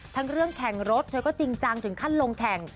ทั้งเรื่องแข่งรถเธอก็จริงจังถึงขั้นลงแข่ง